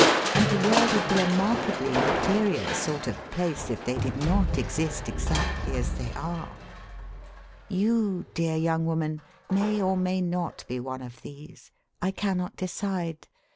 And the world would be a markedly inferior sort of place if they did not exist exactly as they are, "You, dear young woman, may or may not be one of these. I cannot decide.